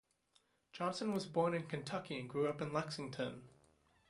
Johnson was born in Kentucky and grew up in Lexington.